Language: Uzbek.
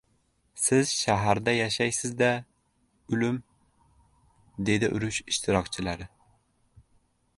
— Siz shaharda yashaysiz-da, ulim, — dedi urush ishtirokchilari.